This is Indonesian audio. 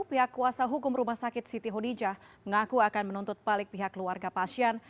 pihak kuasa hukum rumah sakit siti honijah mengaku akan menuntut balik pihak keluarga pasien